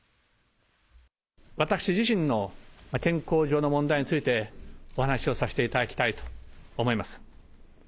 私自身の健康上の問題について、お話をさせていただきたいと思います。